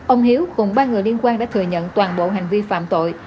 ông hiếu cùng ba người liên quan đã thừa nhận toàn bộ hành vi phạm tội